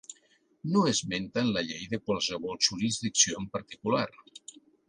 No esmenten la llei de qualsevol jurisdicció en particular.